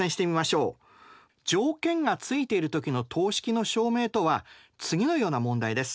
条件がついている時の等式の証明とは次のような問題です。